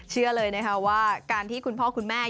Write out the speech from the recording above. เชื่อเลยนะคะว่าการที่คุณพ่อคุณแม่